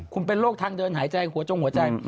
คุณเป็นโรคทางเดินหายใจหัวจงหัวใจ